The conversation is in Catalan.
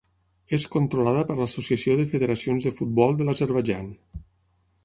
És controlada per l'Associació de Federacions de Futbol de l'Azerbaidjan.